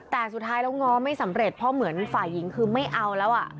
แต่สุดท้ายแล้วง้อไม่สำเร็จเพราะเหมือนฝ่ายหญิงคือไม่เอาแล้ว